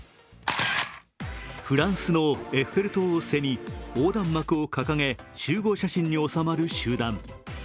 フランスのエッフェル塔を背に、横断幕を掲げ集合写真に収まる集団。